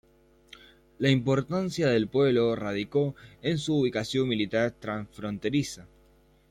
La importancia del pueblo radicó en su ubicación militar transfronteriza.